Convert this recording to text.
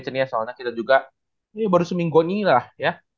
jadi ya soalnya kita juga baru seminggu ini lah ya